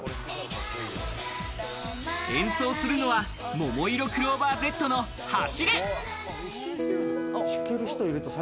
演奏するのは、ももいろクローバーＺの『走れ！』。